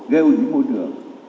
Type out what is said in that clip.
gây ô nhiễm môi trường